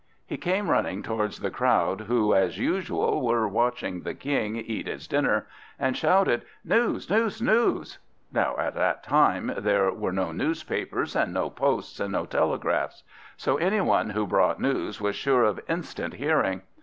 He came running towards the crowd who, as usual, were watching the King eat his dinner, and shouted: "News! news! news!" Now at that time there were no newspapers, and no posts, and no telegraphs; so any one who brought news was sure of instant hearing.